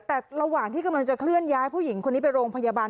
แต่ระหว่างที่กำลังจะเคลื่อนย้ายผู้หญิงคนนี้ไปโรงพยาบาล